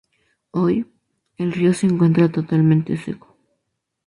Hoy, el río se encuentra totalmente seco.